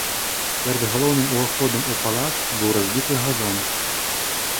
Перад галоўным уваходам у палац быў разбіты газон.